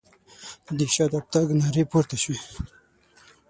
د شاته تګ نارې پورته شوې.